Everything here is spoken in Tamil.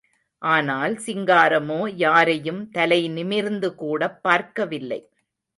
ஆனால் சிங்காரமோ யாரையும் தலை நிமிர்ந்து கூடப் பார்க்கவில்லை.